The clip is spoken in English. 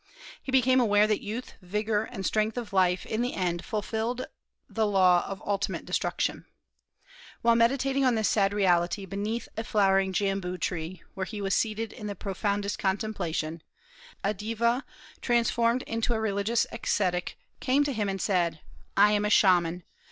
He became aware that youth, vigor, and strength of life in the end fulfilled the law of ultimate destruction. While meditating on this sad reality beneath a flowering Jambu tree, where he was seated in the profoundest contemplation, a deva, transformed into a religious ascetic, came to him and said, "I am a Shaman.